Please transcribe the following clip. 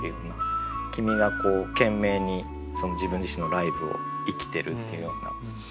君が懸命に自分自身のライブを生きてるっていうような。